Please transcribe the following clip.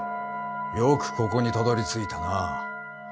よくここにたどりついたな。